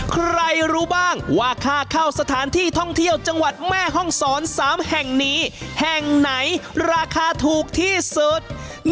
ใครรู้บ้างว่าค่าเข้าสถานที่ท่องเที่ยวจังหวัดแม่ห้องศร๓แห่งนี้แห่งไหนราคาถูกที่สุด